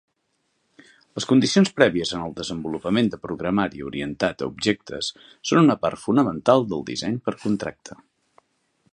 Les condicions prèvies en el desenvolupament de programari orientat a objectes són una part fonamental del disseny per contracte.